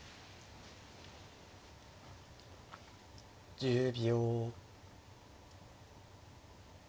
１０秒。